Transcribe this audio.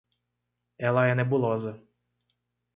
Ela é nebulosa.